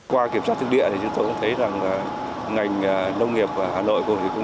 qua kiểm soát thức địa thì chúng tôi cũng thấy rằng là ngành nông nghiệp hà nội cũng đã